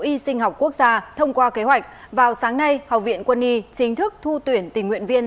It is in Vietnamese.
y sinh học quốc gia thông qua kế hoạch vào sáng nay học viện quân y chính thức thu tuyển tình nguyện viên